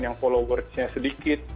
yang followersnya sedikit